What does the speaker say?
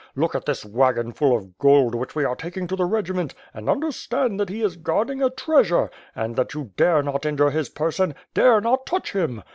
Look at this wagon full of gold, which we are taking to the regiment, and understand, that he is guarding a treas ure, and that you dare not injure his person, dare not touch him.